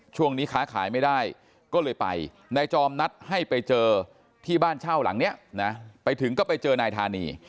ค้าขายไม่ได้ก็เลยไปนายจอมนัดให้ไปเจอที่บ้านเช่าหลังนี้นะไปถึงก็ไปเจอนายธานี